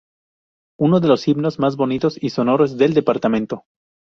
Uno de los himnos más bonitos y sonoros del departamento.